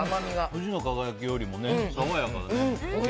富士の輝よりも爽やかだよね。